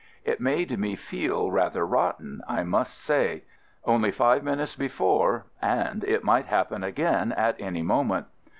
It made me feel rather rotten, I must say. Only five minutes before and it might happen again at any moment.